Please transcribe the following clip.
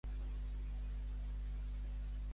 La quinta justa conté tres tons i un semitò.